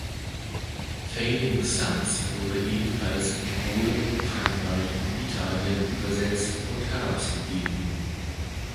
Fading Suns wurde ebenfalls in Polen, Frankreich und Italien übersetzt und herausgegeben.